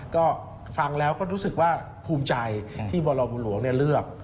ก็ฟังแล้วก็รู้สึกว่าภูมิใจที่บรบุหลวงเลือก